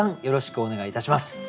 よろしくお願いします。